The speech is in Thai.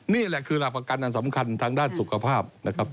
นี่แหละคือหลักประกันอันสำคัญทางด้านสุขภาพนะครับ